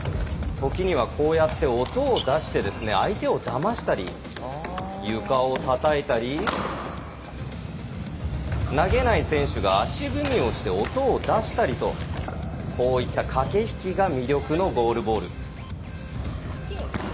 時には、こうやって音を出して相手をだましたり床をたたいたり投げない選手が足踏みをして音を出したりとこういった駆け引きが魅力のゴールボール。